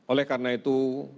oleh karena itu